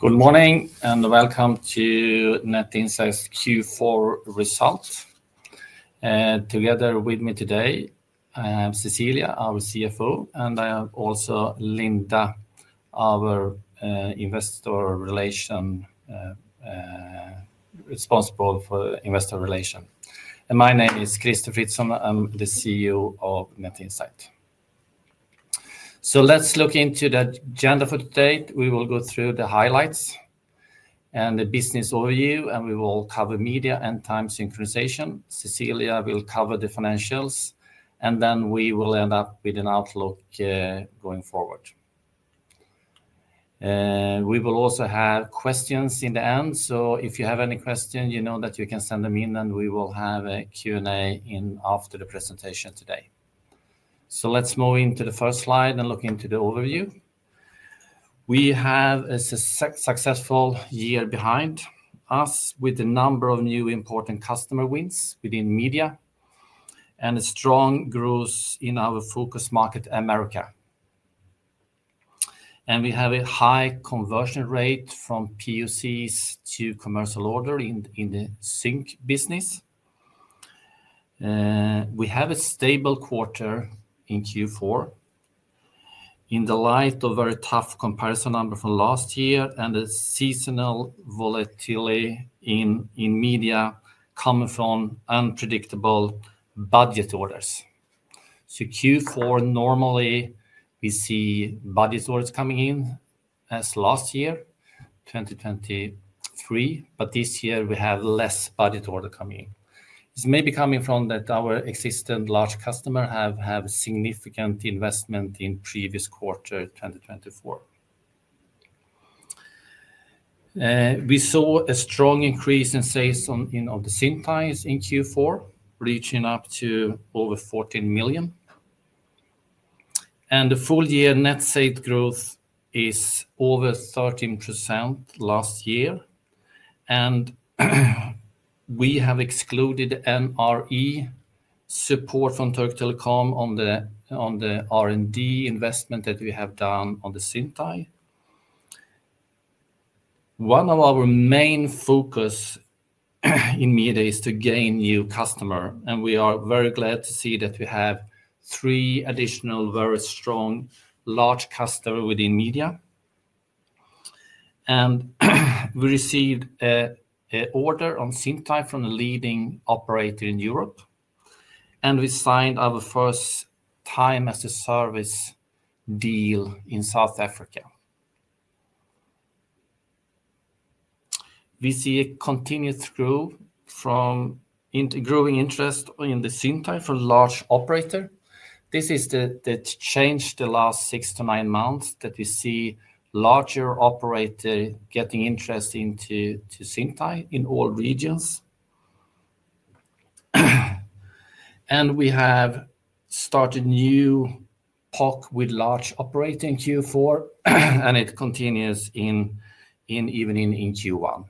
Good morning and welcome to Net Insight's Q4 results. Together with me today, I have Cecilia, our CFO, and I have also Linda, our investor relations responsible for investor relations. My name is Crister Fritzson. I'm the CEO of Net Insight. Let's look into the agenda for today. We will go through the highlights and the business overview, and we will cover media and time synchronization. Cecilia will cover the financials, and then we will end up with an outlook going forward. We will also have questions in the end. If you have any questions, you know that you can send them in, and we will have a Q&A after the presentation today. Let's move into the first slide and look into the overview. We have a successful year behind us with a number of new important customer wins within media and a strong growth in our focus market, Americas. We have a high conversion rate from POCs to commercial order in the sync business. We have a stable quarter in Q4 in the light of a very tough comparison number from last year and the seasonal volatility in media coming from unpredictable budget orders. Q4, normally we see budget orders coming in as last year, 2023, but this year we have less budget orders coming in. It is maybe coming from that our existing large customers have significant investment in the previous quarter, 2024. We saw a strong increase in sales of the Zyntai Q4, reaching up to over 14 million. The full-year net sales growth is over 13% last year. We have excluded NRE support from Turk Telekom on the R&D investment that we have done on the Zyntai. One of our main focuses in media is to gain new customers, and we are very glad to see that we have three additional very strong large customers within media. We received an order on Zyntai from a leading operator in Europe, and we signed our first Time-as-a-Service deal in South Africa. We see a continuous growth from growing interest in the Zyntai for large operators. This is the change in the last six to nine months that we see larger operators getting interest in Zyntai in all regions. We have started a new POC with large operators in Q4, and it continues even in Q1.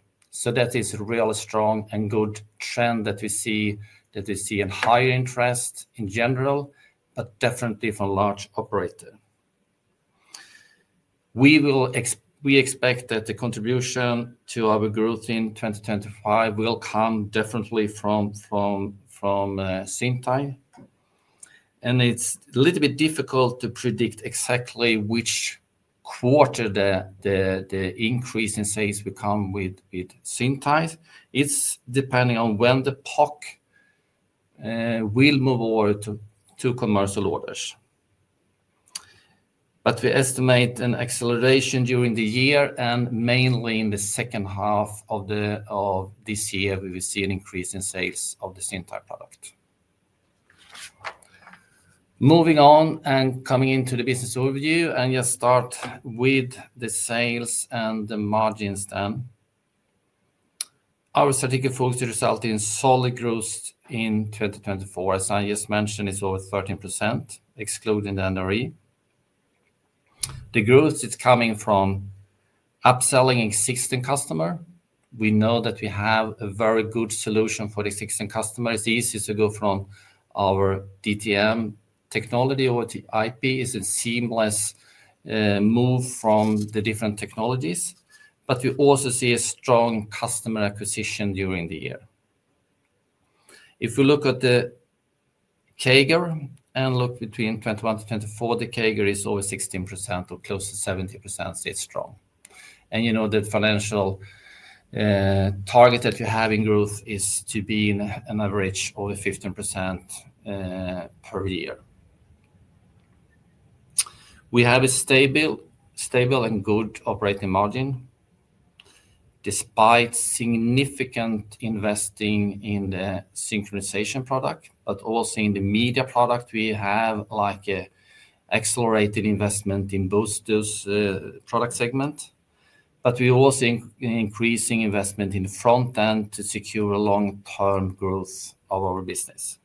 That is a really strong and good trend that we see, that we see a higher interest in general, but definitely from large operators. We expect that the contribution to our growth in 2025 will come definitely from Zyntai. It's a little bit difficult to predict exactly which quarter the increase in sales will come with Zyntai. It's depending on when the POC will move over to commercial orders. We estimate an acceleration during the year, and mainly in the second half of this year, we will see an increase in sales of the Zyntai product. Moving on and coming into the business overview, I'll just start with the sales and the margins then. Our strategic focus will result in solid growth in 2024. As I just mentioned, it's over 13%, excluding the NRE. The growth is coming from upselling existing customers. We know that we have a very good solution for the existing customers. It's easy to go from our DTM technology over to IP. It's a seamless move from the different technologies. We also see a strong customer acquisition during the year. If we look at the CAGR and look between 2021 to 2024, the CAGR is over 16% or close to 17%. It's strong. You know the financial target that we have in growth is to be an average over 15% per year. We have a stable and good operating margin despite significant investing in the synchronization product, but also in the media product. We have an accelerated investment in both those product segments. We also see increasing investment in the front end to secure long-term growth of our business.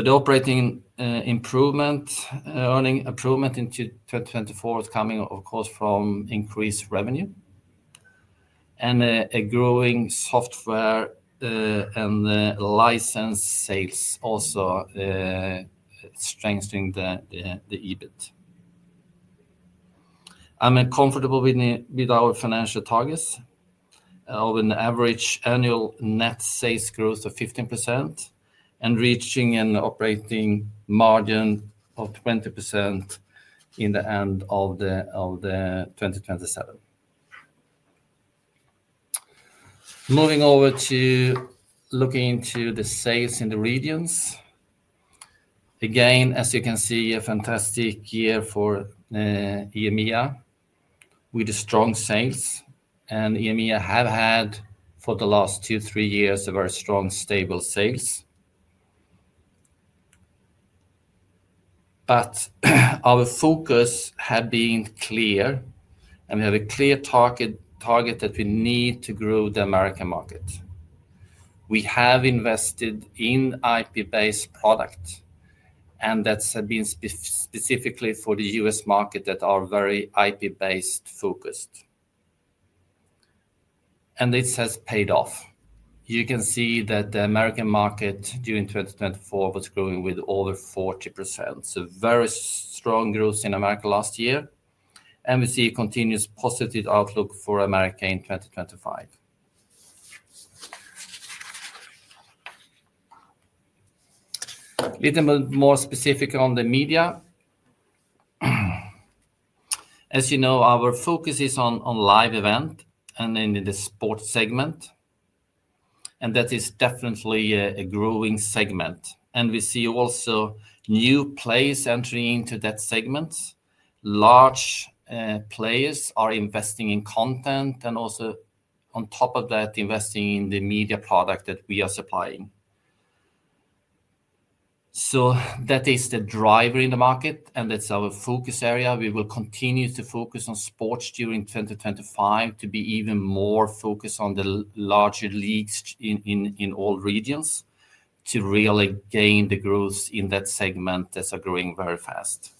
The operating improvement, earning improvement into 2024 is coming, of course, from increased revenue and a growing software and license sales, also strengthening the EBIT. I'm comfortable with our financial targets of an average annual net sales growth of 15% and reaching an operating margin of 20% in the end of 2027. Moving over to looking into the sales in the regions. Again, as you can see, a fantastic year for EMEA with strong sales. EMEA has had, for the last two, three years, very strong, stable sales. Our focus has been clear, and we have a clear target that we need to grow the American market. We have invested in IP-based products, and that's been specifically for the US market that are very IP-based focused. It has paid off. You can see that the American market during 2024 was growing with over 40%. Very strong growth in America last year. We see a continuous positive outlook for America in 2025. A little bit more specific on the media. As you know, our focus is on live events and in the sports segment. That is definitely a growing segment. We see also new players entering into that segment. Large players are investing in content and also, on top of that, investing in the media product that we are supplying. That is the driver in the market, and that's our focus area. We will continue to focus on sports during 2025 to be even more focused on the larger leagues in all regions to really gain the growth in that segment that's growing very fast.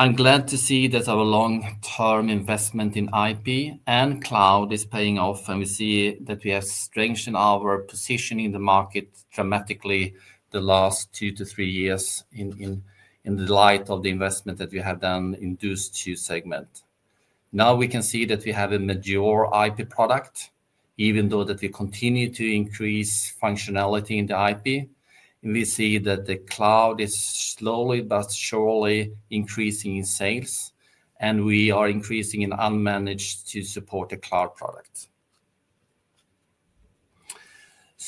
I'm glad to see that our long-term investment in IP and cloud is paying off. We see that we have strengthened our position in the market dramatically the last two to three years in the light of the investment that we have done in those two segments. Now we can see that we have a mature IP product, even though we continue to increase functionality in the IP. We see that the cloud is slowly but surely increasing in sales, and we are increasing in unmanaged to support the cloud product.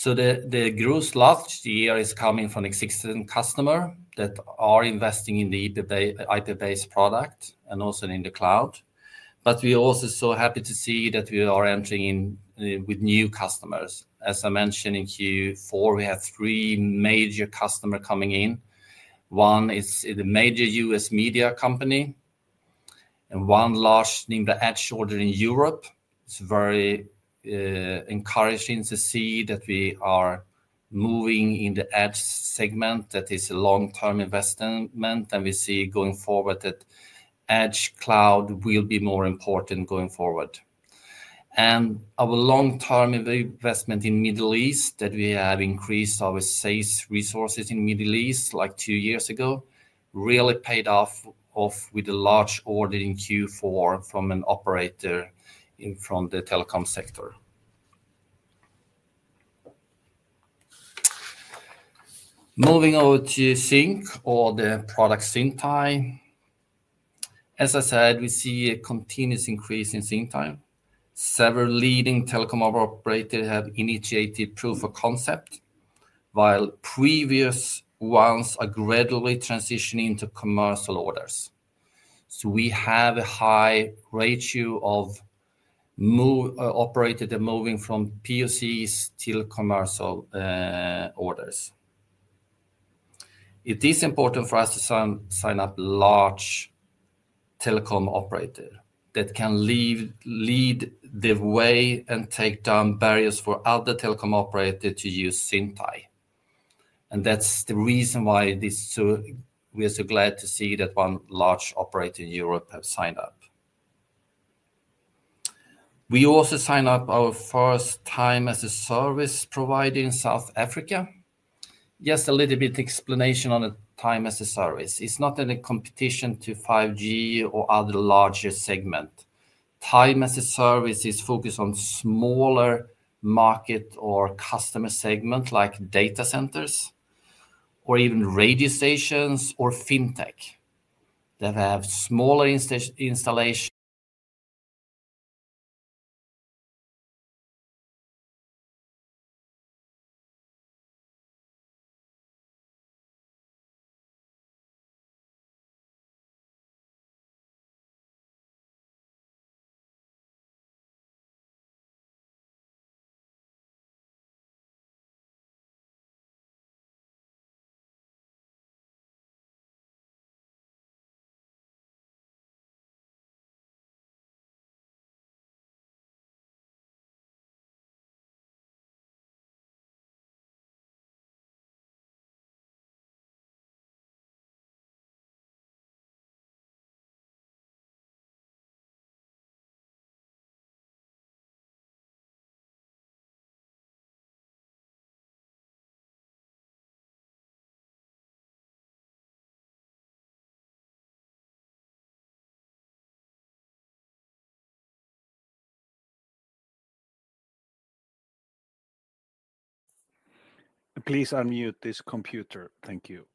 The growth last year is coming from existing customers that are investing in the IP-based product and also in the cloud. We are also so happy to see that we are entering in with new customers. As I mentioned in Q4, we had three major customers coming in. One is a major US media company and one large in the Edge order in Europe. It's very encouraging to see that we are moving in the Edge segment. That is a long-term investment. We see going forward that Edge cloud will be more important going forward. Our long-term investment in the Middle East, that we have increased our sales resources in the Middle East like two years ago, really paid off with a large order in Q4 from an operator from the telecom sector. Moving over to sync or the product Zyntai. As I said, we see a continuous increase in Zyntai. Several leading telecom operators have initiated proof of concept, while previous ones are gradually transitioning into commercial orders. We have a high ratio of operators that are moving from POCs to commercial orders. It is important for us to sign up large telecom operators that can lead the way and take down barriers for other telecom operators to use Zyntai. That's the reason why we are so glad to see that one large operator in Europe has signed up. We also signed up our first Time-as-a-Service provider in South Africa. Just a little bit of explanation on the Time-as-a-Service. It's not in a competition to 5G or other larger segments. Time-as-a-Service is focused on smaller market or customer segments like data centers or even radio stations or fintech that have smaller installations. Please unmute this computer. Thank you.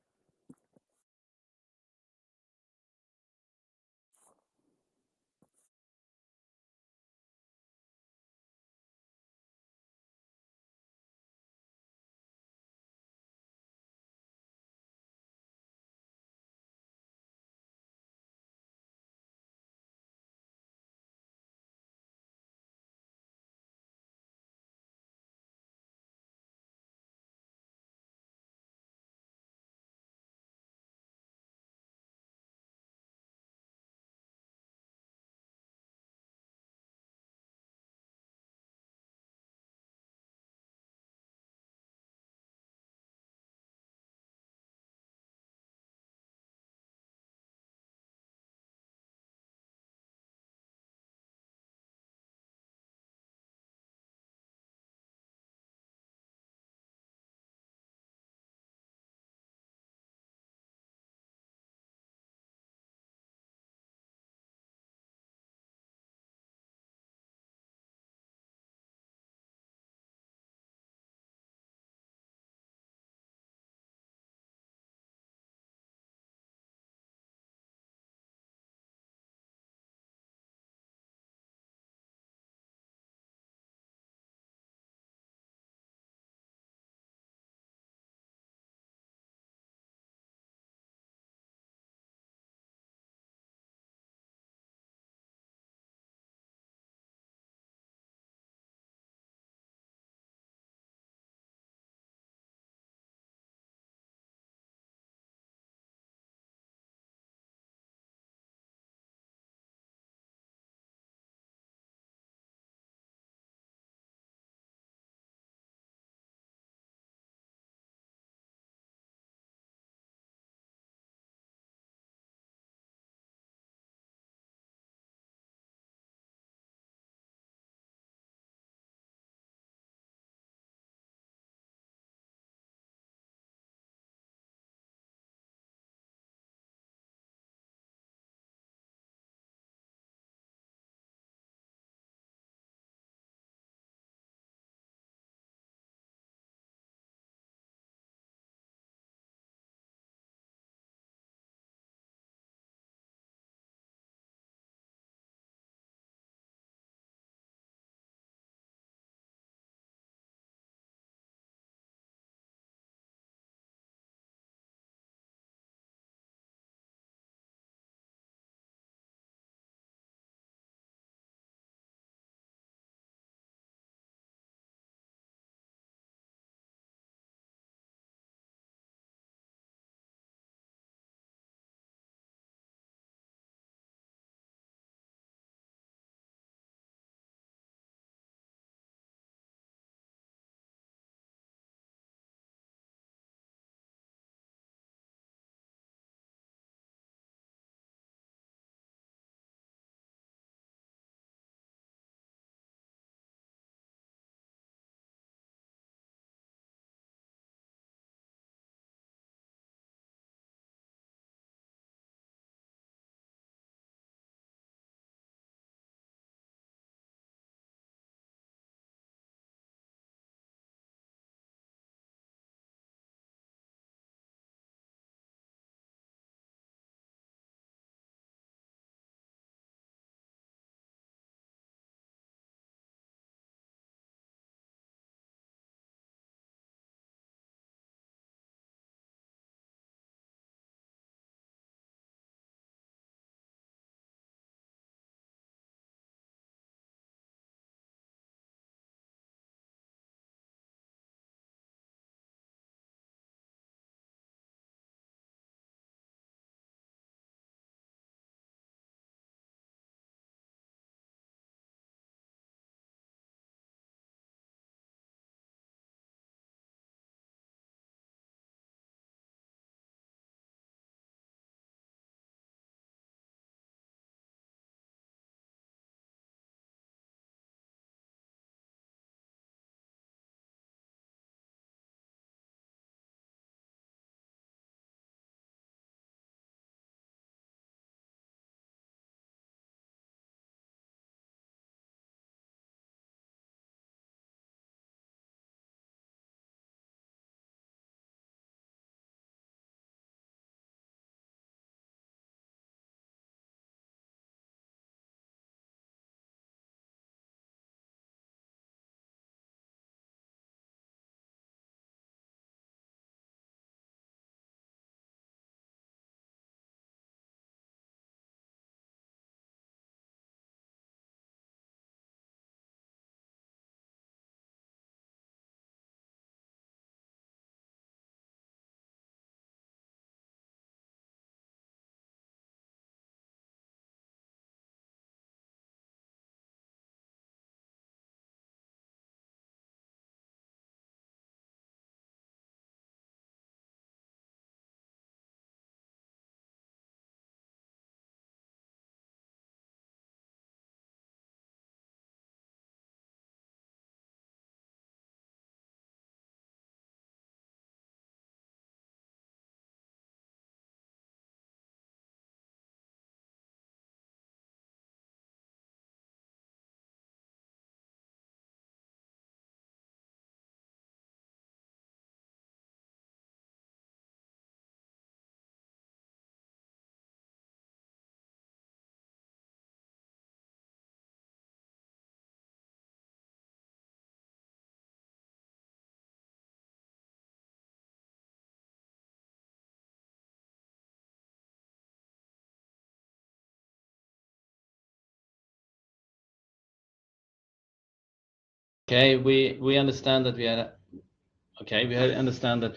Okay. We understand that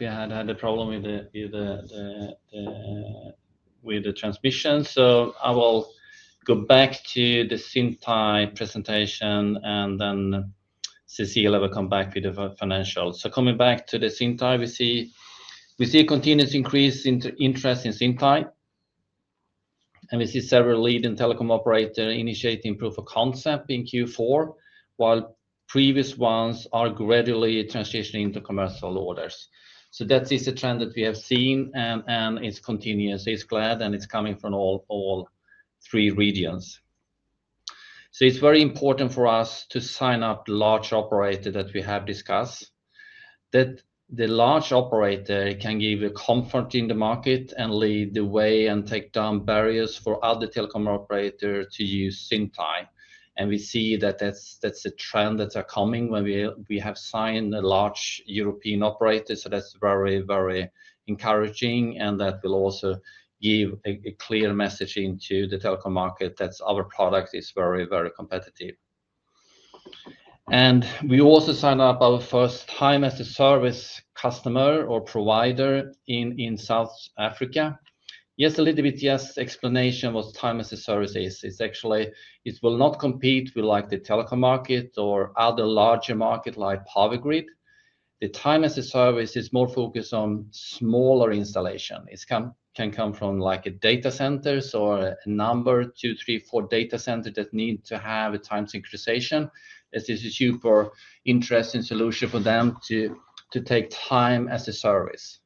we had a problem with the transmission. I will go back to the Zyntai presentation, and then Cecilia will come back with the financials. Coming back to the Zyntai, we see a continuous increase in interest in Zyntai. We see several leading telecom operators initiating proof of concept in Q4, while previous ones are gradually transitioning into commercial orders. That is the trend that we have seen, and it's continuous. It's glad, and it's coming from all three regions. It is very important for us to sign up the large operator that we have discussed, that the large operator can give you comfort in the market and lead the way and take down barriers for other telecom operators to use Zyntai. We see that that's a trend that's coming when we have signed a large European operator. That is very, very encouraging, and that will also give a clear message into the telecom market that our product is very, very competitive. We also signed up our first Time-as-a-Service customer or provider in South Africa. Yes, a little bit—yes, explanation of what Time-as-a-Service is. It's actually—it will not compete with the telecom market or other larger markets like power grid. The Time-as-a-Service is more focused on smaller installations. It can come from data centers or a number, two, three, four data centers that need to have a time synchronization. This is a super interesting solution for them to take Time-as-a-Service. It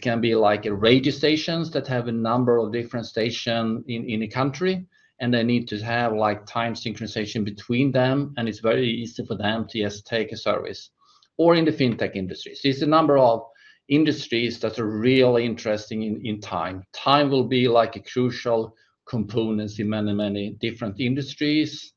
can be like radio stations that have a number of different stations in a country, and they need to have time synchronization between them. It is very easy for them to just take a service. Or in the fintech industry. It is a number of industries that are really interesting in time. Time will be a crucial component in many, many different industries.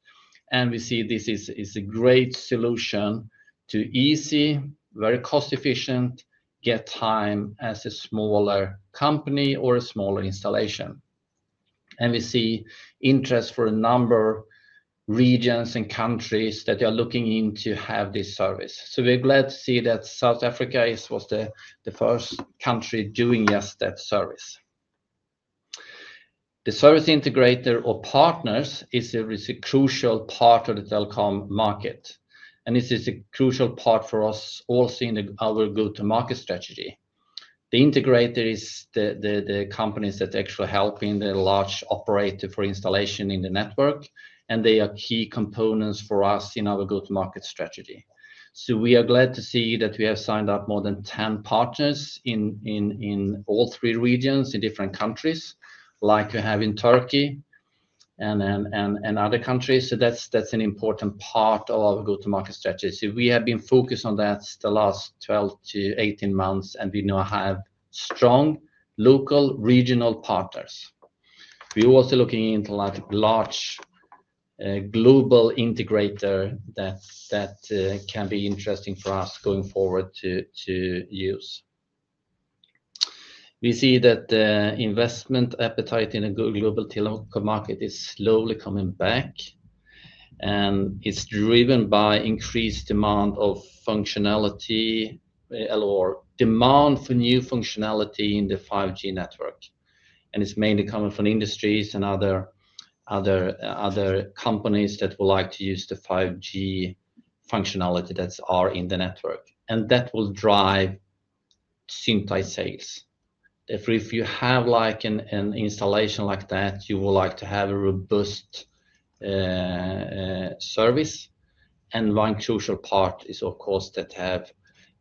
We see this is a great solution to easy, very cost-efficient, get time as a smaller company or a smaller installation. We see interest for a number of regions and countries that are looking into having this service. We're glad to see that South Africa was the first country doing just that service. The service integrator or partners is a crucial part of the telecom market. This is a crucial part for us also in our go-to-market strategy. The integrator is the companies that actually help the large operator for installation in the network. They are key components for us in our go-to-market strategy. We are glad to see that we have signed up more than 10 partners in all three regions in different countries, like we have in Turkey and other countries. That's an important part of our go-to-market strategy. We have been focused on that the last 12 to 18 months, and we now have strong local, regional partners. We're also looking into large global integrators that can be interesting for us going forward to use. We see that the investment appetite in the global telecom market is slowly coming back. It is driven by increased demand for new functionality in the 5G network. It is mainly coming from industries and other companies that would like to use the 5G functionality that are in the network. That will drive Zyntai sales. If you have an installation like that, you would like to have a robust service. One crucial part is, of course, to have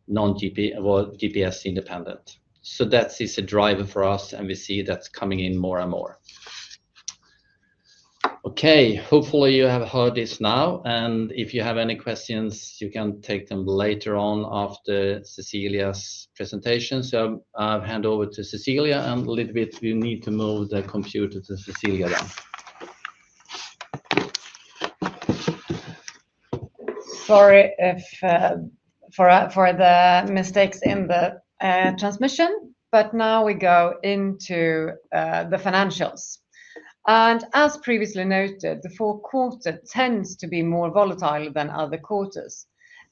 GNSS/GPS-independent. That is a driver for us, and we see that's coming in more and more. Okay. Hopefully, you have heard this now. If you have any questions, you can take them later on after Cecilia's presentation. I'll hand over to Cecilia. We need to move the computer to Cecilia then. Sorry for the mistakes in the transmission. Now we go into the financials. As previously noted, the fourth quarter tends to be more volatile than other quarters.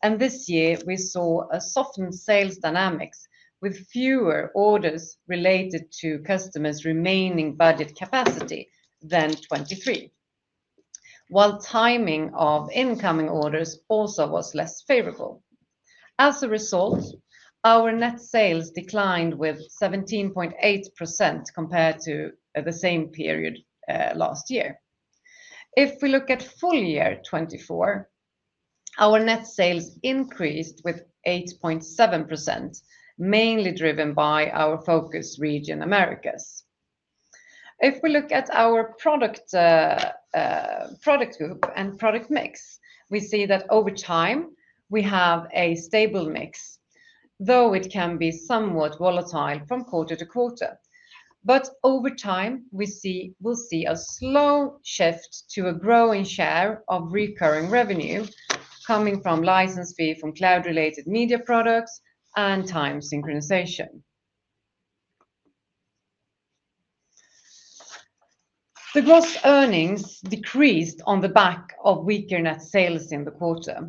This year, we saw a softened sales dynamic with fewer orders related to customers' remaining budget capacity than 2023, while timing of incoming orders also was less favorable. As a result, our net sales declined 17.8% compared to the same period last year. If we look at full year 2024, our net sales increased 8.7%, mainly driven by our focus region, Americas. If we look at our product group and product mix, we see that over time, we have a stable mix, though it can be somewhat volatile from quarter to quarter. Over time, we'll see a slow shift to a growing share of recurring revenue coming from license fees from cloud-related media products and time synchronization. The gross earnings decreased on the back of weaker net sales in the quarter.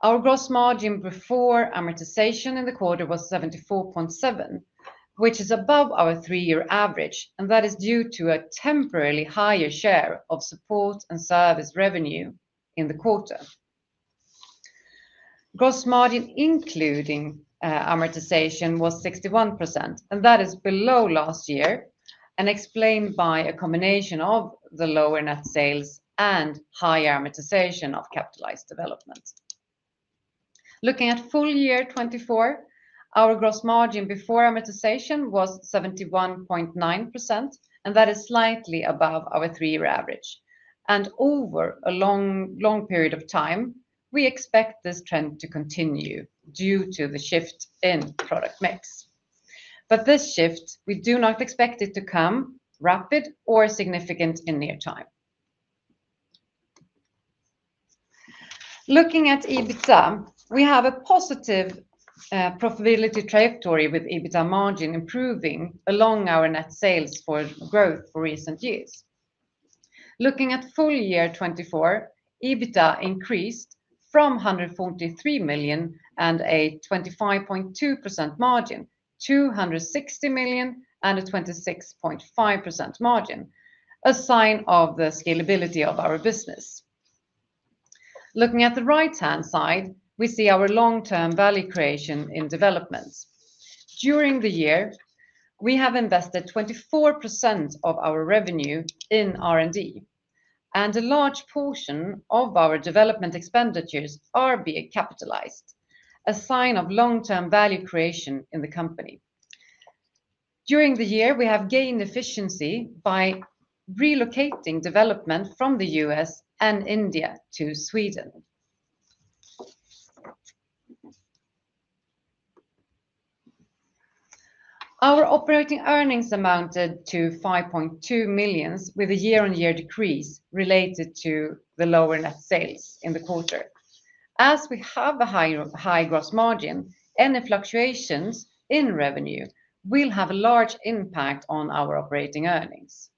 Our gross margin before amortization in the quarter was 74.7%, which is above our three-year average. That is due to a temporarily higher share of support and service revenue in the quarter. Gross margin including amortization was 61%. That is below last year and explained by a combination of the lower net sales and higher amortization of capitalized development. Looking at full year 2024, our gross margin before amortization was 71.9%. That is slightly above our three-year average. Over a long period of time, we expect this trend to continue due to the shift in product mix. This shift, we do not expect it to come rapid or significant in near time. Looking at EBITDA, we have a positive profitability trajectory with EBITDA margin improving along our net sales for growth for recent years. Looking at full year 2024, EBITDA increased from 143 million and a 25.2% margin to 160 million and a 26.5% margin, a sign of the scalability of our business. Looking at the right-hand side, we see our long-term value creation in development. During the year, we have invested 24% of our revenue in R&D. A large portion of our development expenditures are being capitalized, a sign of long-term value creation in the company. During the year, we have gained efficiency by relocating development from the US and India to Sweden. Our operating earnings amounted to 5.2 million, with a year-on-year decrease related to the lower net sales in the quarter. As we have a high gross margin, any fluctuations in revenue will have a large impact on our operating earnings.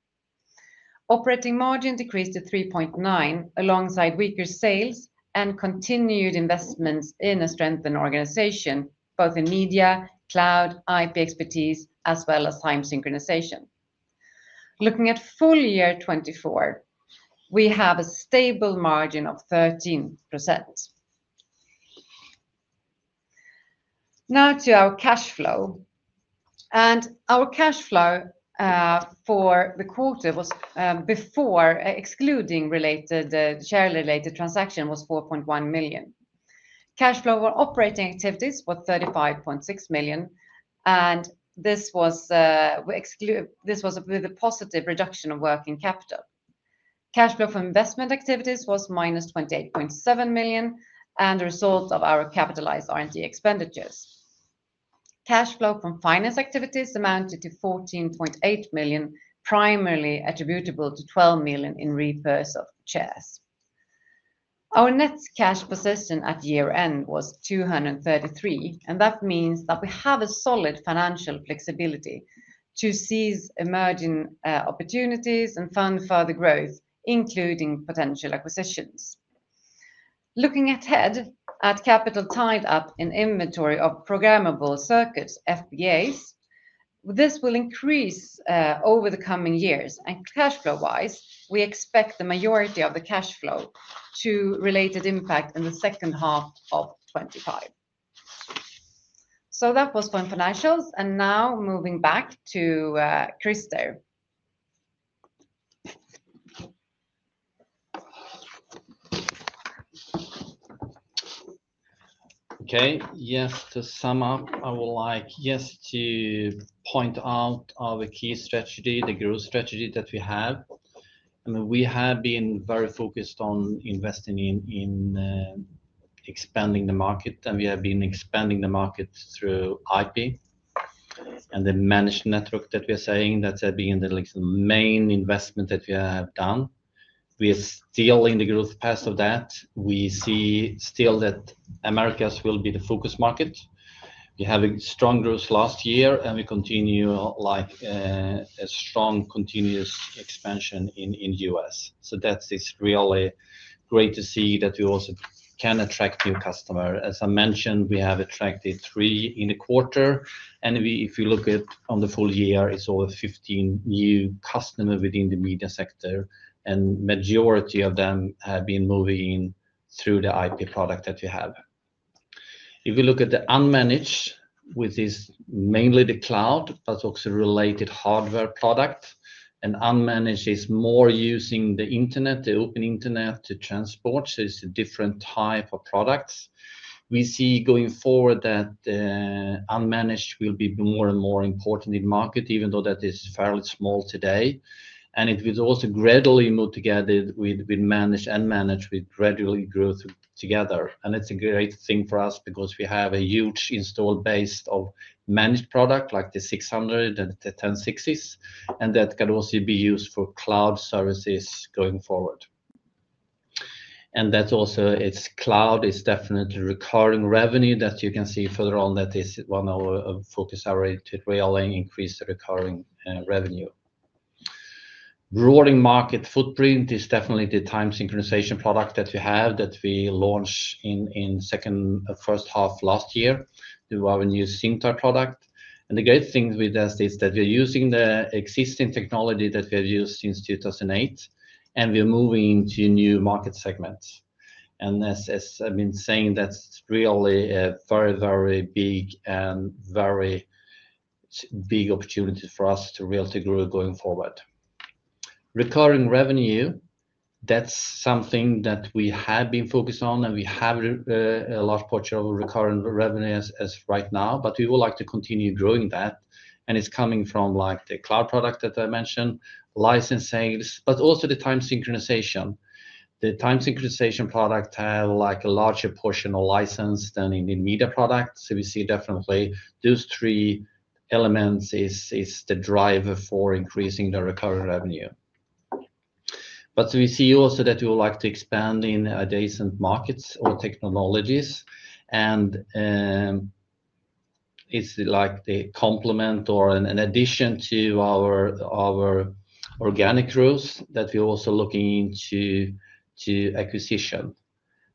Operating margin decreased to 3.9% alongside weaker sales and continued investments in a strengthened organization, both in media, cloud, IP expertise, as well as time synchronization. Looking at full year 2024, we have a stable margin of 13%. Now to our cash flow. Our cash flow for the quarter, before excluding share-related transactions, was 4.1 million. Cash flow for operating activities was 35.6 million. This was with a positive reduction of working capital. Cash flow from investment activities was minus 28.7 million and a result of our capitalized R&D expenditures. Cash flow from finance activities amounted to 14.8 million, primarily attributable to 12 million in repurchase of shares. Our net cash position at year-end was 233 million. That means that we have a solid financial flexibility to seize emerging opportunities and fund further growth, including potential acquisitions. Looking ahead at capital tied up in inventory of programmable circuits, FPGAs, this will increase over the coming years. Cash flow-wise, we expect the majority of the cash flow to relate to impact in the second half of 2025. That was from financials. Now moving back to Crister. Yes, to sum up, I would like just to point out our key strategy, the growth strategy that we have. We have been very focused on investing in expanding the market. We have been expanding the market through IP and the managed network that we are saying is being the main investment that we have done. We are still in the growth path of that. We see still that Americas will be the focus market. We had a strong growth last year, and we continue a strong continuous expansion in the US. That is really great to see that we also can attract new customers. As I mentioned, we have attracted three in the quarter. If you look at the full year, it is over 15 new customers within the media sector. The majority of them have been moving in through the IP product that we have. If we look at the unmanaged, which is mainly the cloud, but also related hardware products. Unmanaged is more using the internet, the open internet to transport. It is a different type of products. We see going forward that unmanaged will be more and more important in the market, even though that is fairly small today. It will also gradually move together with managed and managed will gradually grow together. It is a great thing for us because we have a huge installed base of managed products like the 600 and the 1060s. That can also be used for cloud services going forward. Cloud is definitely recurring revenue that you can see further on. That is one of our focus areas to really increase the recurring revenue. Rolling market footprint is definitely the time synchronization product that we have that we launched in the first half of last year to our new sync product. The great thing with this is that we're using the existing technology that we have used since 2008. We are moving into new market segments. As I have been saying, that is really a very, very big and very big opportunity for us to really grow going forward. Recurring revenue, that is something that we have been focused on. We have a large portion of recurring revenue as of right now. We would like to continue growing that. It is coming from the cloud product that I mentioned, license sales, but also the time synchronization. The time synchronization product has a larger portion of license than in the media product. We see definitely those three elements as the driver for increasing the recurring revenue. We see also that we would like to expand in adjacent markets or technologies. It is like the complement or an addition to our organic growth that we are also looking into acquisition.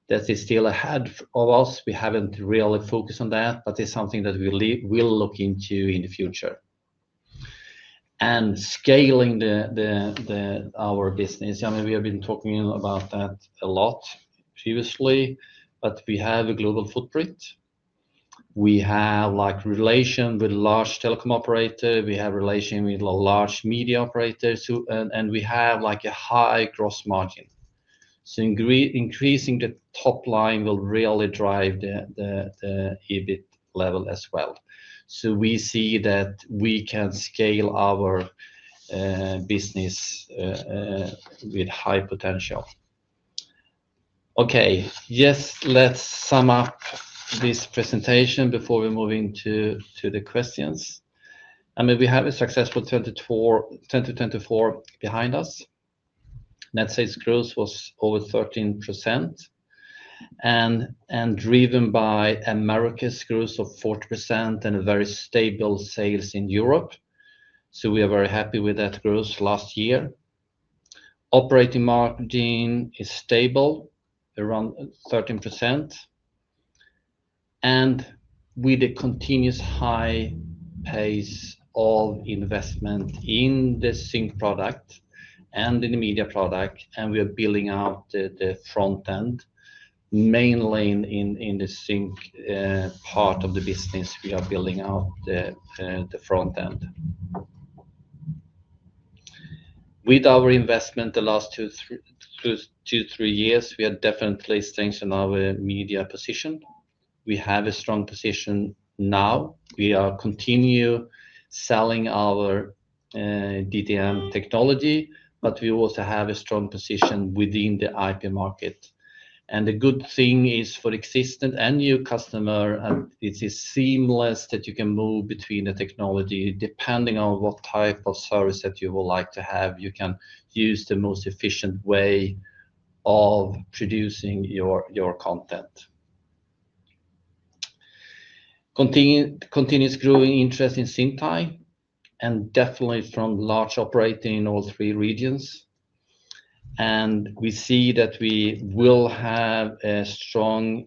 That is still ahead of us. We have not really focused on that. It is something that we will look into in the future. Scaling our business, I mean, we have been talking about that a lot previously. We have a global footprint. We have relations with large telecom operators. We have relations with large media operators. We have a high gross margin. Increasing the top line will really drive the EBIT level as well. We see that we can scale our business with high potential. Okay. Yes, let's sum up this presentation before we move into the questions. I mean, we have a successful 2024 behind us. Net sales growth was over 13%. Driven by Americas growth of 40% and very stable sales in Europe. We are very happy with that growth last year. Operating margin is stable around 13%. With the continuous high pace of investment in the sync product and in the media product. We are building out the front end. Mainly in the sync part of the business, we are building out the front end. With our investment the last two to three years, we have definitely strengthened our media position. We have a strong position now. We are continuing selling our DTM technology. We also have a strong position within the IP market. The good thing is for existing and new customers, it is seamless that you can move between the technology depending on what type of service that you would like to have. You can use the most efficient way of producing your content. Continuous growing interest in Zyntai and definitely from large operators in all three regions. We see that we will have a strong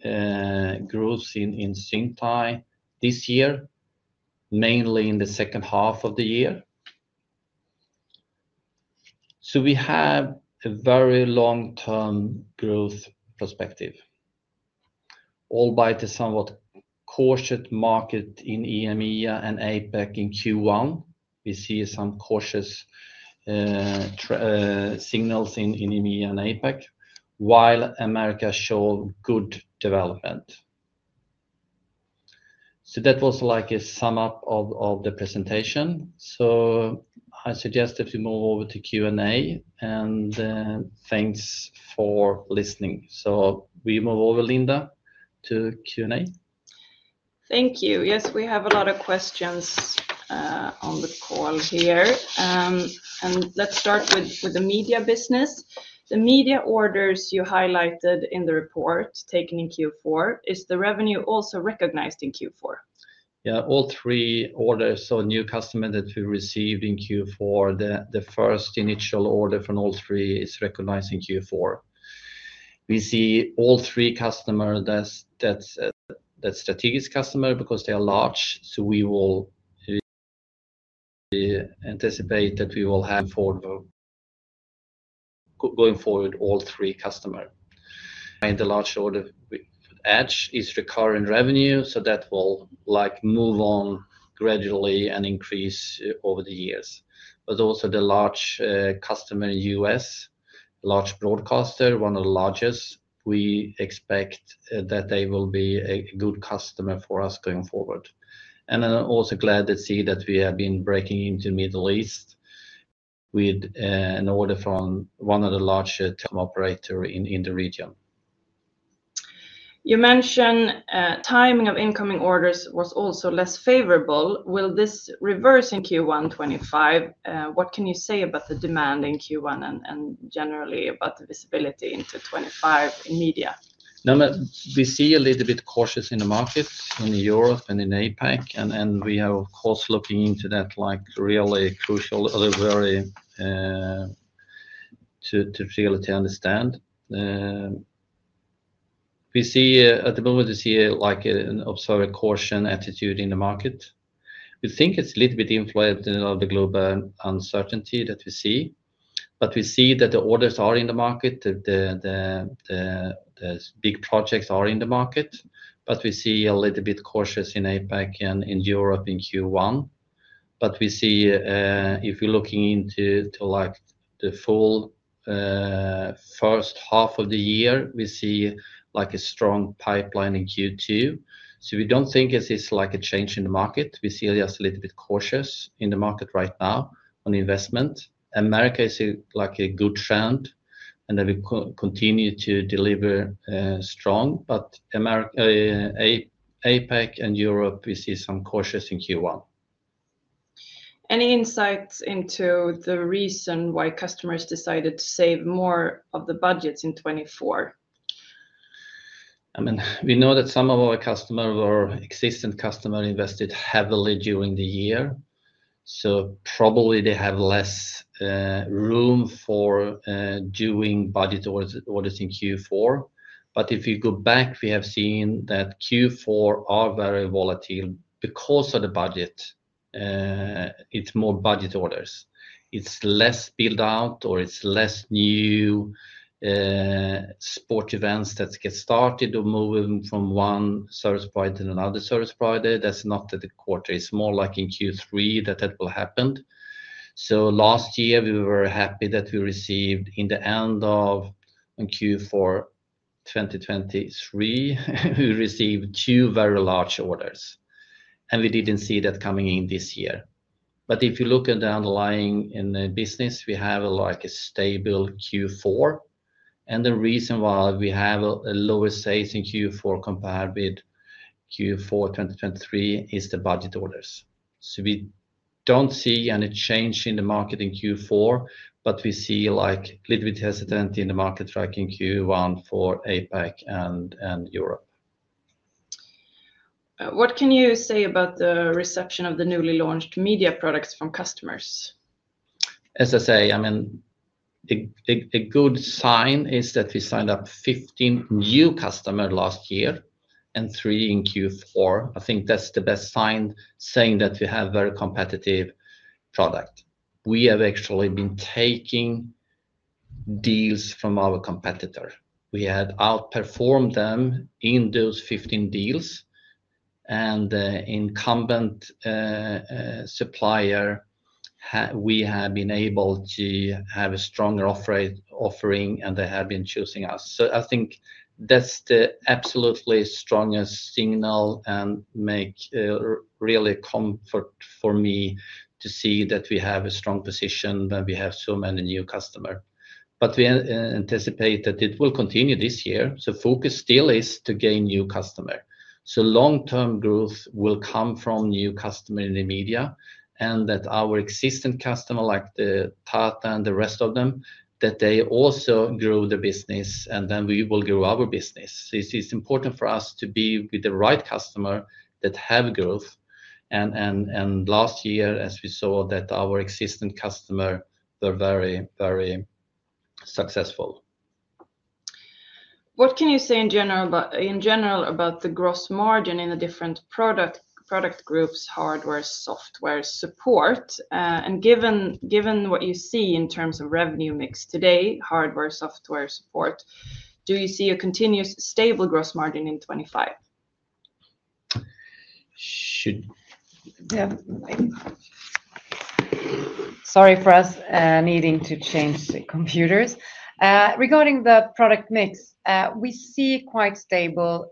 growth in Zyntai this year, mainly in the second half of the year. We have a very long-term growth perspective, all by the somewhat cautious market in EMEA and APAC in Q1. We see some cautious signals in EMEA and APAC, while America showed good development. That was like a sum up of the presentation. I suggest that we move over to Q&A. Thanks for listening. We move over, Linda, to Q&A. Thank you. Yes, we have a lot of questions on the call here. Let's start with the media business. The media orders you highlighted in the report taken in Q4, is the revenue also recognized in Q4? Yeah, all three orders. New customers that we received in Q4, the first initial order from all three is recognized in Q4. We see all three customers, that's strategic customers because they are large. We will anticipate that we will, going forward, all three customers. The large order Edge is recurring revenue. That will move on gradually and increase over the years. Also, the large customer in the US, large broadcaster, one of the largest, we expect that they will be a good customer for us going forward. I'm also glad to see that we have been breaking into the Middle East with an order from one of the larger telecom operators in the region. You mentioned timing of incoming orders was also less favorable. Will this reverse in Q1 2025? What can you say about the demand in Q1 and generally about the visibility into 2025 in media? No, we see a little bit cautious in the market in Europe and in APAC. We are, of course, looking into that, really crucial to really understand. We see at the moment we see an observed caution attitude in the market. We think it's a little bit influenced by the global uncertainty that we see. We see that the orders are in the market. The big projects are in the market. We see a little bit cautious in APAC and in Europe in Q1. If we're looking into the full first half of the year, we see a strong pipeline in Q2. We do not think it's a change in the market. We see just a little bit cautious in the market right now on investment. Americas is a good trend. We continue to deliver strong. APAC and Europe, we see some cautious in Q1. Any insights into the reason why customers decided to save more of the budgets in 2024? I mean, we know that some of our existing customers invested heavily during the year. Probably they have less room for doing budget orders in Q4. If you go back, we have seen that Q4 are very volatile because of the budget. It's more budget orders. It's less built out or it's less new sport events that get started or moving from one service provider to another service provider. That's not the quarter. It's more like in Q3 that that will happen. Last year, we were happy that we received in the end of Q4 2023, we received two very large orders. We didn't see that coming in this year. If you look at the underlying business, we have a stable Q4. The reason why we have a lower sales in Q4 compared with Q4 2023 is the budget orders. We don't see any change in the market in Q4. We see a little bit hesitant in the market track in Q1 for APAC and Europe. What can you say about the reception of the newly launched media products from customers? As I say, I mean, a good sign is that we signed up 15 new customers last year and three in Q4. I think that's the best sign saying that we have a very competitive product. We have actually been taking deals from our competitor. We had outperformed them in those 15 deals. An incumbent supplier, we have been able to have a stronger offering. They have been choosing us. I think that's the absolutely strongest signal and really comfort for me to see that we have a strong position when we have so many new customers. We anticipate that it will continue this year. Focus still is to gain new customers. Long-term growth will come from new customers in the media. Our existing customers, like Tata and the rest of them, also grow the business. We will grow our business. It is important for us to be with the right customers that have growth. Last year, we saw that our existing customers were very, very successful. What can you say in general about the gross margin in the different product groups, hardware, software, support? Given what you see in terms of revenue mix today, hardware, software, support, do you see a continuous stable gross margin in 2025? Sorry for us needing to change the computers. Regarding the product mix, we see quite stable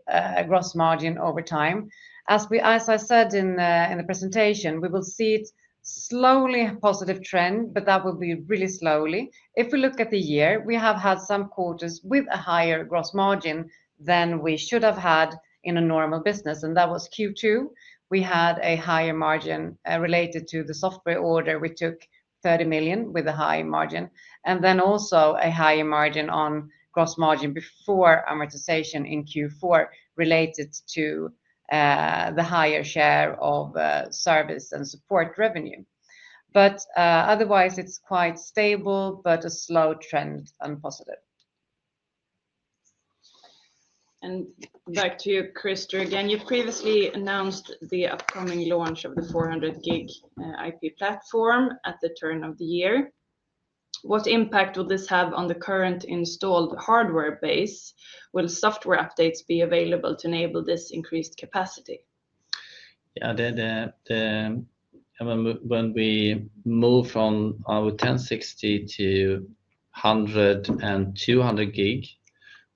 gross margin over time. As I said in the presentation, we will see slowly a positive trend. That will be really slowly. If we look at the year, we have had some quarters with a higher gross margin than we should have had in a normal business. That was Q2. We had a higher margin related to the software order. We took 30 million with a high margin. Also, a higher margin on gross margin before amortization in Q4 related to the higher share of service and support revenue. Otherwise, it's quite stable, but a slow trend and positive. Back to you, Crister. Again, you previously announced the upcoming launch of the 400 gig IP platform at the turn of the year. What impact will this have on the current installed hardware base? Will software updates be available to enable this increased capacity? Yeah, when we move from our 1060 to 100 and 200 gig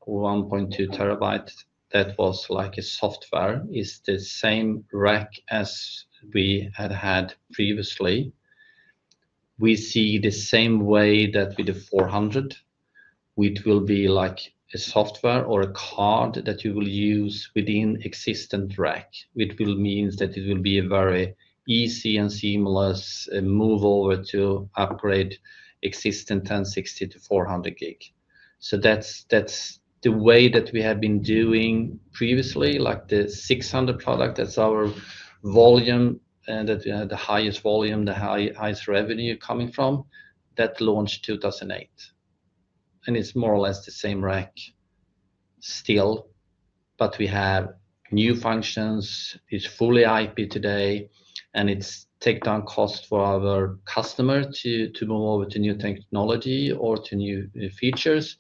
or 1.2 terabytes, that was like a software. It's the same rack as we had had previously. We see the same way that with the 400, which will be like a software or a card that you will use within existing rack. It will mean that it will be a very easy and seamless move over to upgrade existing 1060 to 400 gig. That's the way that we have been doing previously, like the 600 product. That's our volume that we had the highest volume, the highest revenue coming from that launched 2008. It's more or less the same rack still. We have new functions. It's fully IP today. It has taken down cost for our customers to move over to new technology or to new features.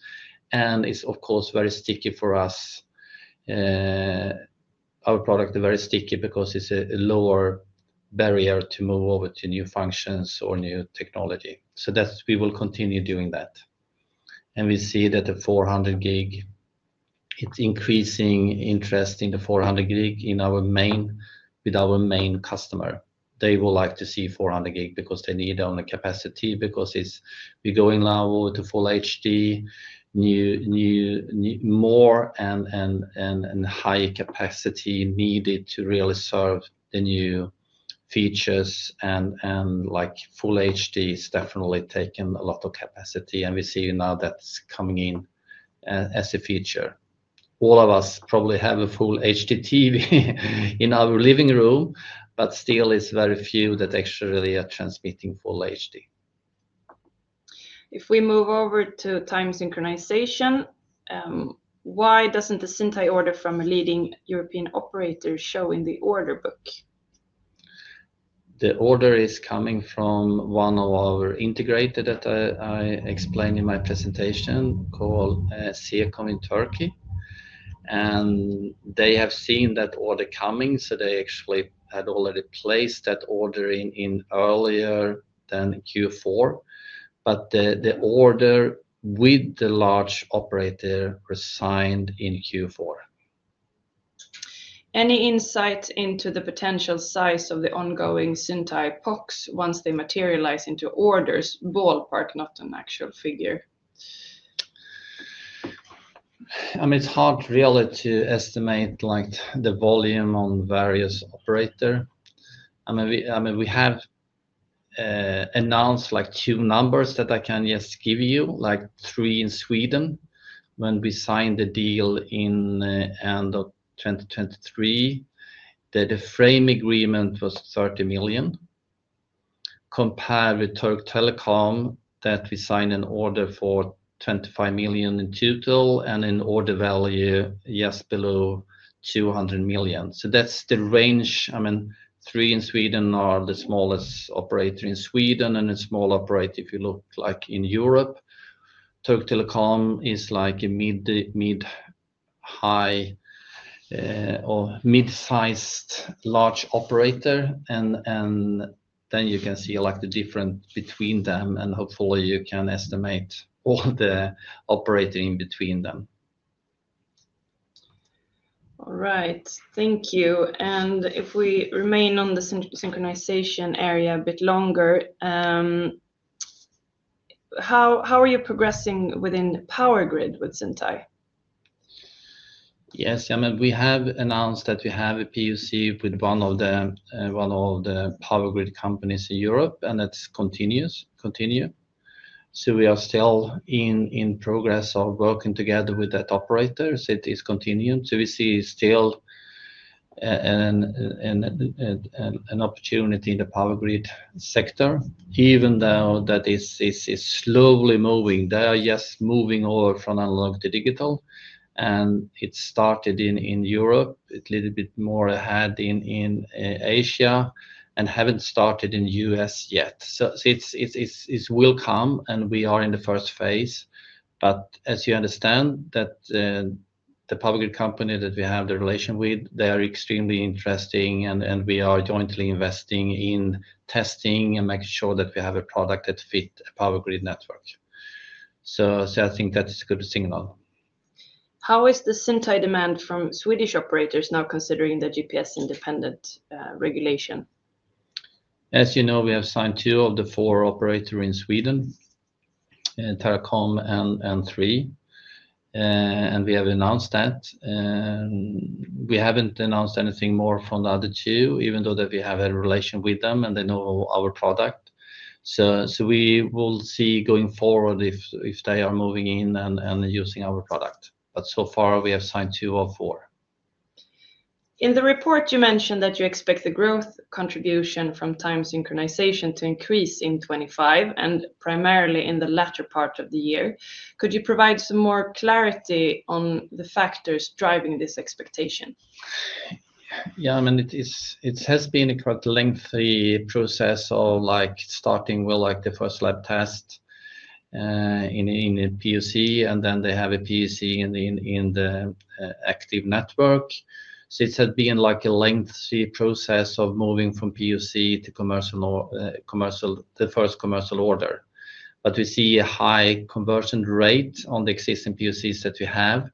It's, of course, very sticky for us. Our product is very sticky because it's a lower barrier to move over to new functions or new technology. We will continue doing that. We see that the 400 gig, it's increasing interest in the 400 gig in our main with our main customer. They will like to see 400 gig because they need only capacity because it's we're going now over to full HD, more, and high capacity needed to really serve the new features. Full HD is definitely taking a lot of capacity. We see now that's coming in as a feature. All of us probably have a full HD TV in our living room. Still, it's very few that actually are transmitting full HD. If we move over to time synchronization, why doesn't the Zyntai order from a leading European operator show in the order book? The order is coming from one of our integrators that I explained in my presentation called Sekom in Turkey. They have seen that order coming. They actually had already placed that order earlier than Q4. The order with the large operator was signed in Q4. Any insight into the potential size of the ongoing Zyntai POCs once they materialize into orders, ballpark, not an actual figure? I mean, it's hard really to estimate the volume on various operators. I mean, we have announced two numbers that I can just give you, like three in Sweden. When we signed the deal in the end of 2023, the frame agreement was 30 million. Compared with Turk Telekom, we signed an order for 25 million in total and an order value, yes, below 200 million. That's the range. I mean, three in Sweden are the smallest operator in Sweden and a small operator if you look in Europe. Turk Telekom is like a mid-high or mid-sized large operator. You can see the difference between them. Hopefully, you can estimate all the operators in between them. All right. Thank you. If we remain on the synchronization area a bit longer, how are you progressing within power grid with sync tie? Yes. I mean, we have announced that we have a POC with one of the power grid companies in Europe. That is continuous. We are still in progress of working together with that operator. It is continuing. We see still an opportunity in the power grid sector, even though that is slowly moving. They are just moving over from analog to digital. It started in Europe. It is a little bit more ahead in Asia and has not started in the US yet. It will come. We are in the first phase. As you understand, the power grid company that we have the relation with is extremely interesting. We are jointly investing in testing and making sure that we have a product that fits a power grid network. I think that's a good signal. How is the sync tie demand from Swedish operators now considering the GPS-independent regulation? As you know, we have signed two of the four operators in Sweden, Teracom and Tre, and we have announced that. We have not announced anything more from the other two, even though we have a relation with them and they know our product. We will see going forward if they are moving in and using our product. So far, we have signed two of four. In the report, you mentioned that you expect the growth contribution from time synchronization to increase in 2025 and primarily in the latter part of the year. Could you provide some more clarity on the factors driving this expectation? Yeah. I mean, it has been quite a lengthy process of starting with the first lab test in the POC. And then they have a POC in the active network. It has been a lengthy process of moving from POC to the first commercial order. We see a high conversion rate on the existing POCs that we have.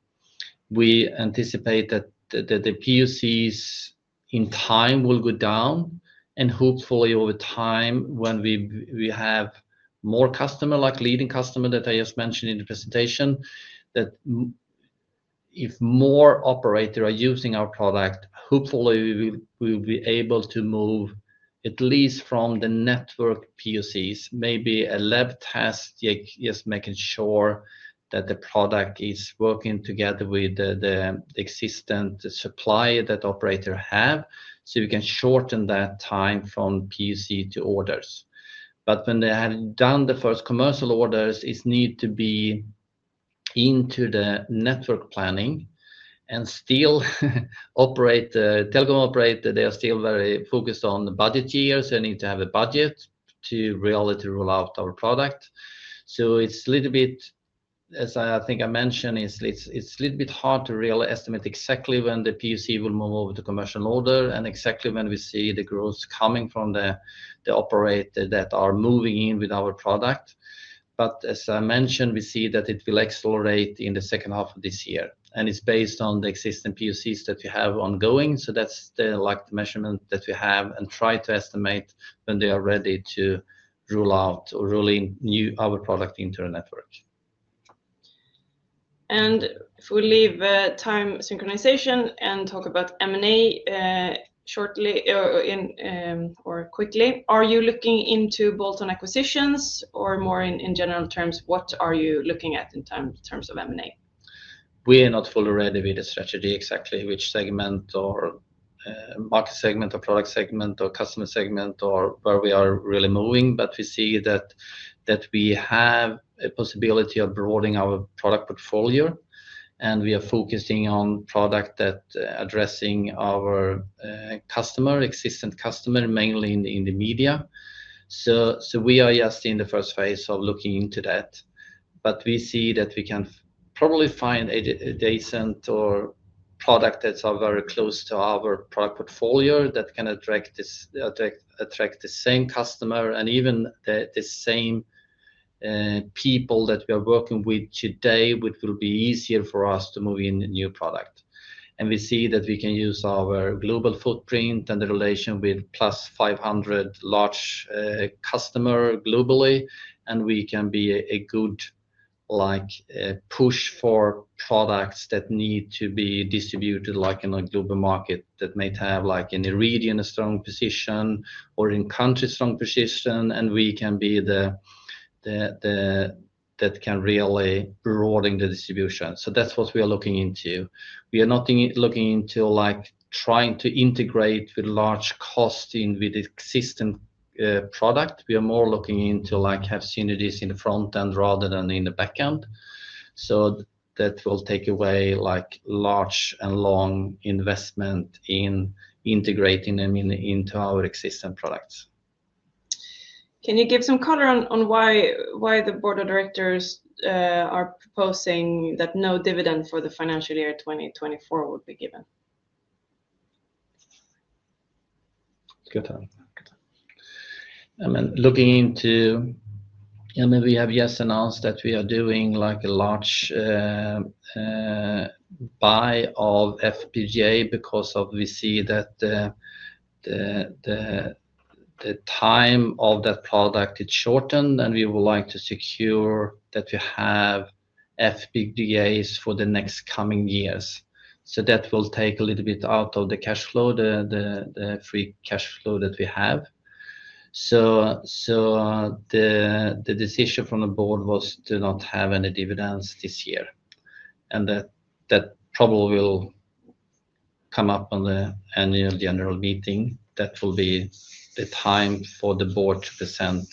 We anticipate that the POCs in time will go down. Hopefully, over time, when we have more customers, like leading customers that I just mentioned in the presentation, if more operators are using our product, we will be able to move at least from the network POCs, maybe a lab test, just making sure that the product is working together with the existing supplier that operators have. We can shorten that time from POC to orders. When they have done the first commercial orders, it needs to be into the network planning. Still, telecom operators are very focused on budget years. They need to have a budget to really roll out our product. It is a little bit, as I think I mentioned, a little bit hard to really estimate exactly when the POC will move over to commercial order and exactly when we see the growth coming from the operators that are moving in with our product. As I mentioned, we see that it will accelerate in the second half of this year. It is based on the existing POCs that we have ongoing. That is the measurement that we have and try to estimate when they are ready to roll out or roll in our product into the network. If we leave time synchronization and talk about M&A shortly or quickly, are you looking into bolt-on acquisitions? Or more in general terms, what are you looking at in terms of M&A? We are not fully ready with the strategy, exactly which segment or market segment or product segment or customer segment or where we are really moving. We see that we have a possibility of broadening our product portfolio. We are focusing on product that is addressing our existing customers, mainly in the media. We are just in the first phase of looking into that. We see that we can probably find adjacent or products that are very close to our product portfolio that can attract the same customers and even the same people that we are working with today, which will be easier for us to move in a new product. We see that we can use our global footprint and the relation with +500 large customers globally. We can be a good push for products that need to be distributed in a global market that may have a region, a strong position, or in country, a strong position. We can be that can really broaden the distribution. That is what we are looking into. We are not looking into trying to integrate with large costs with existing products. We are more looking into having synergies in the front end rather than in the back end. That will take away large and long investment in integrating them into our existing products. Can you give some color on why the board of directors are proposing that no dividend for the financial year 2024 would be given? I mean, looking into, I mean, we have just announced that we are doing a large buy of FPGA because we see that the time of that product is shortened. We would like to secure that we have FPGAs for the next coming years. That will take a little bit out of the cash flow, the free cash flow that we have. The decision from the board was to not have any dividends this year. That probably will come up on the annual general meeting. That will be the time for the board to present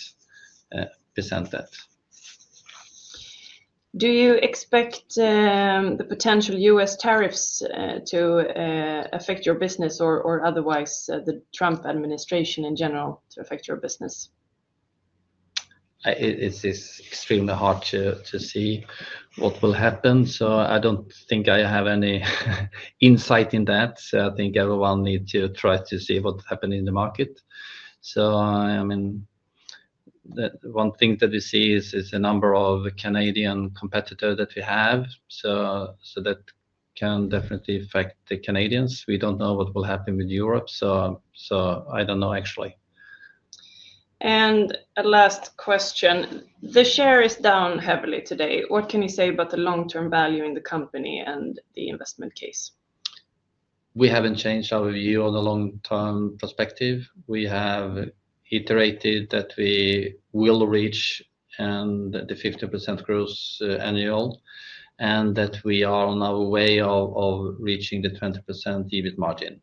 that. Do you expect the potential US tariffs to affect your business or otherwise the Trump administration in general to affect your business? It is extremely hard to see what will happen. I do not think I have any insight in that. I think everyone needs to try to see what is happening in the market. I mean, one thing that we see is the number of Canadian competitors that we have. That can definitely affect the Canadians. We don't know what will happen with Europe. I don't know, actually. A last question. The share is down heavily today. What can you say about the long-term value in the company and the investment case? We haven't changed our view on the long-term perspective. We have iterated that we will reach the 50% growth annually and that we are on our way of reaching the 20% EBIT margin.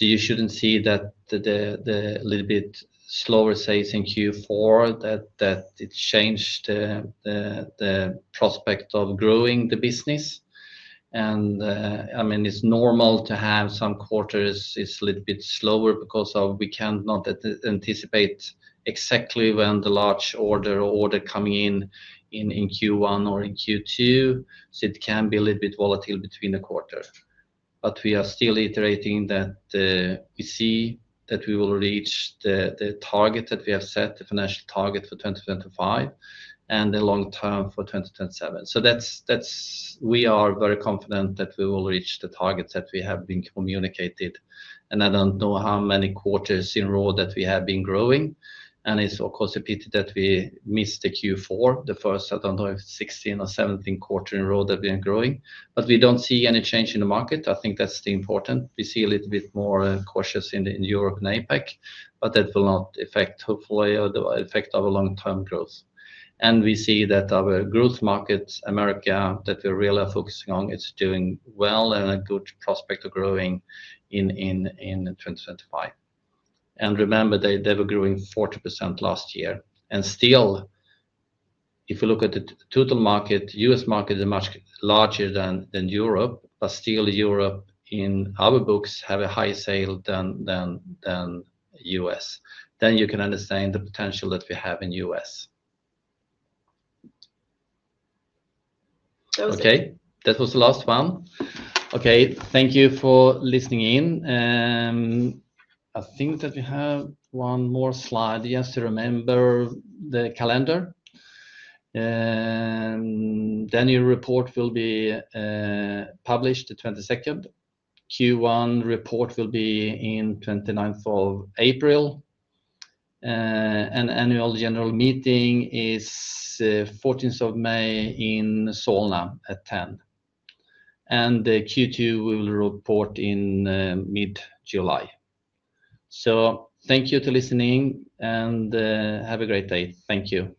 You shouldn't see that a little bit slower sales in Q4 changed the prospect of growing the business. I mean, it's normal to have some quarters a little bit slower because we cannot anticipate exactly when the large order or order is coming in in Q1 or in Q2. It can be a little bit volatile between the quarters. We are still iterating that we see that we will reach the target that we have set, the financial target for 2025 and the long-term for 2027. We are very confident that we will reach the targets that we have been communicated. I don't know how many quarters in a row that we have been growing. It is of course a pity that we missed the Q4, the first, I don't know, 16th or 17th quarter in a row that we are growing. We don't see any change in the market. I think that's the important. We see a little bit more cautious in Europe and APAC. That will not affect, hopefully, the effect of our long-term growth. We see that our growth markets, America, that we really are focusing on, are doing well and a good prospect of growing in 2025. Remember, they were growing 40% last year. If you look at the total market, the US market is much larger than Europe. Still, Europe in our books has a higher sale than the US. You can understand the potential that we have in the US. Okay. That was the last one. Thank you for listening in. I think that we have one more slide. You have to remember the calendar. The annual report will be published the 22nd. Q1 report will be on the 29th of April. The annual general meeting is the 14th of May in Solna at 10:00 A.M. Q2 will report in mid-July. Thank you for listening and have a great day. Thank you.